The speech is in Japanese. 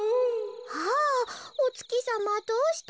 「あっおつきさまどうしたの？」。